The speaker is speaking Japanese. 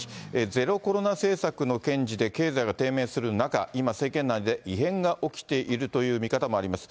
ゼロコロナ政策の堅持で経済が低迷する中、今、政権内で異変が起きているという見方もあります。